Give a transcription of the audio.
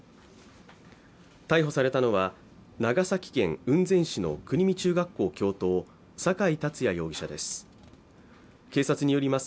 逮捕されたのは、長崎県雲仙市の国見中学校教頭、酒井竜也容疑者です。